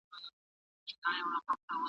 ایا تاسي د ساینس په برخه کې کومه جایزه لری؟